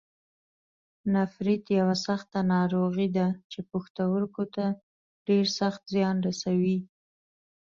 نفریت یوه سخته ناروغي ده چې پښتورګو ته ډېر سخت زیان رسوي.